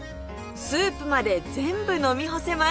スープまで全部飲みほせます！